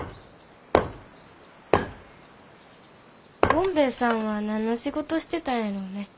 ゴンベエさんは何の仕事してたんやろね？